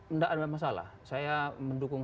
enggak ada masalah saya mendukung